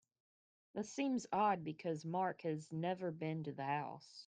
That seems odd because Mark has never been to the house.